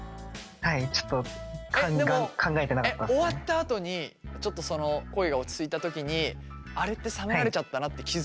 えっでも終わったあとにちょっとその行為が落ち着いた時にあれって冷められちゃったなって気付いた？